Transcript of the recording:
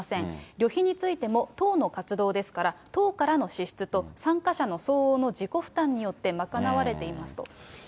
旅費についても、党の活動ですから、党からの支出と参加者の相応の自己負担によって賄われていますと。